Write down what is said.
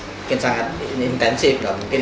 mungkin sangat intensif nggak mungkin